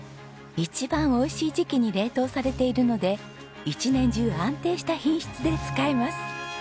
一番おいしい時期に冷凍されているので一年中安定した品質で使えます。